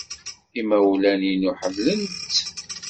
Imawlan-inu ḥemmlen-tt.